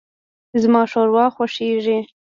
زما ښوروا خوښیږي.